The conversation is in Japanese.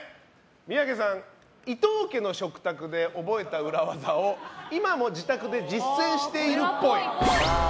「伊東家の食卓」で覚えた裏技を今も自宅で実践しているっぽい。